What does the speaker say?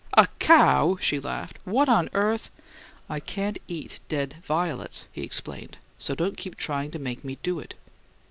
"A 'COW?'" she laughed. "What on earth " "I can't eat dead violets," he explained. "So don't keep tryin' to make me do it."